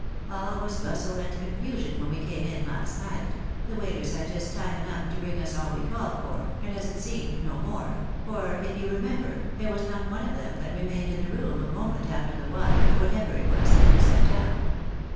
All was bustle and confusion when we came in last night, the waiters had just time enough to bring us all we called for, and, as it seemed, no more ; for, if you remember, there was not one of them that remained in the room a moment after the wine, or whatever it was, had been set down.